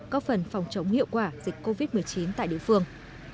có phần phòng chống hiệu quả dịch covid một mươi chín tại địa phương